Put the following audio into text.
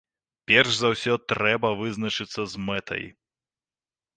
Перш за ўсё трэба вызначыцца з мэтай.